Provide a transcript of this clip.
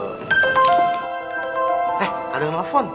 eh ada yang nelfon